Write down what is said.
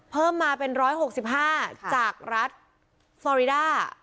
เพิ่มมาเป็น๑๖๕จากรัฐฟอริดา